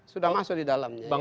sudah masuk di dalamnya